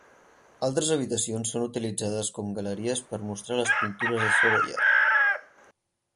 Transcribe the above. Altres habitacions són utilitzades com galeries per mostrar les pintures de Sorolla.